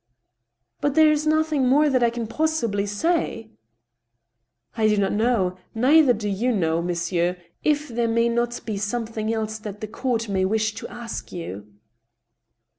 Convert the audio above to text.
" But there is nothing more that I can possibly say." I do not know — neither do you know, monsieur— if there vusf not be something else that the court may wish to ask you."